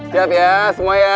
siap ya semua ya